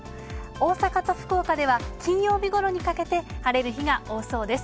大阪と福岡では、金曜日ごろにかけて、晴れる日が多そうです。